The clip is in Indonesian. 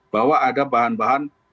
bahwa ada bahan bahan